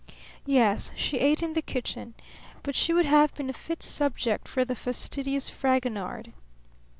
Yes, she ate in the kitchen; but she would have been a fit subject for the fastidious Fragonard.